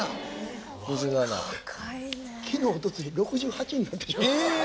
昨日おとつい６８になってるわ。